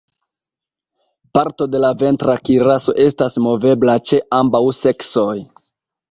Parto de la ventra kiraso estas movebla ĉe ambaŭ seksoj.